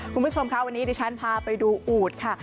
คุณผู้ชมค่ะวันนี้ดิฉันพาไปดูอูดค่ะ